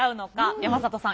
山里さん。